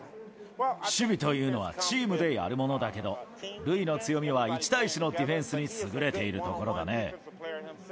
守備というのはチームでやるものだけど、ルイの強みは１対１のディフェンスに優れているところだね。